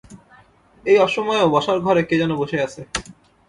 এই অসময়েও বসার ঘরে কে যেন বসে আছে।